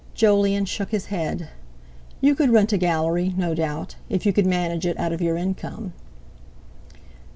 Jolyon shook his head. "You could rent a Gallery, no doubt, if you could manage it out of your income."